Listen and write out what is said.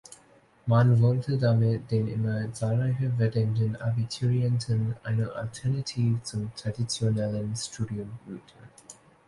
Man wollte damit den immer zahlreicher werdenden Abiturienten eine Alternative zum traditionellen Studium bieten.